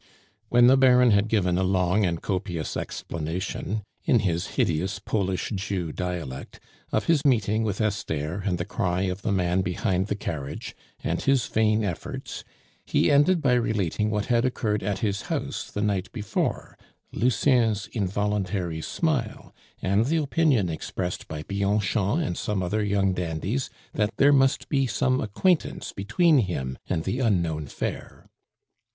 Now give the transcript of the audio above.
When the Baron had given a long and copious explanation, in his hideous Polish Jew dialect, of his meeting with Esther and the cry of the man behind the carriage, and his vain efforts, he ended by relating what had occurred at his house the night before, Lucien's involuntary smile, and the opinion expressed by Bianchon and some other young dandies that there must be some acquaintance between him and the unknown fair.